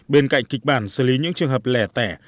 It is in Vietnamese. bên cạnh kịch bản xử lý những trường hợp lẻ tẻ